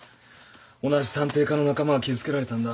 同じ探偵課の仲間が傷つけられたんだ。